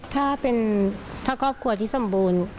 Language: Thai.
ถ้าครอบครัวที่สมบูรณ์